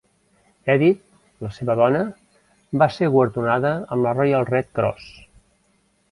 Edith, la seva dona, va ser guardonada amb la Royal Red Cross.